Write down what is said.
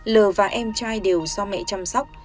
l và em trai đều do mẹ chăm sóc